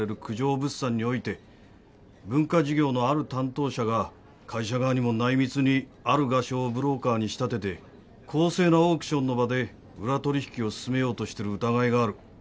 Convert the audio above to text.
物産において文化事業のある担当者が会社側にも内密にある画商をブローカーに仕立てて公正なオークションの場で裏取引を進めようとしてる疑いがある」